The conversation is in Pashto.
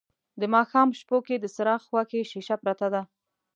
د ماښام شپو کې د څراغ خواکې شیشه پرته ده